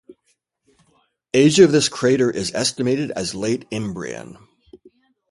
Age of this crater is estimated as Late Imbrian.